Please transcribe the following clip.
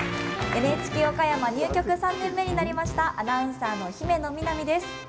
ＮＨＫ岡山入局３年目になりましたアナウンサーの姫野美南です。